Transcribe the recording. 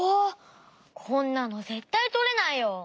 こんなのぜったいとれないよ！